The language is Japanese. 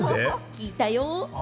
聞いたよ。